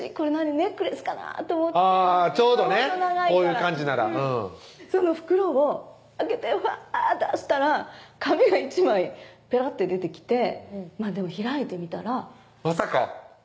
ネックレスかなと思ってちょうどねこういう感じならその袋を開けてフワーッ出したら紙が１枚ペラッて出てきて開いてみたらまさか！